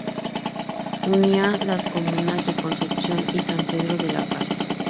Unía las comunas de Concepción y San Pedro de la Paz.